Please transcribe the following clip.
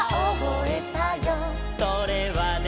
「それはね」